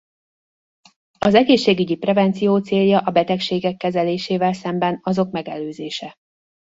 Az egészségügyi prevenció célja a betegségek kezelésével szemben azok megelőzése.